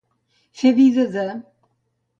Fer vida de.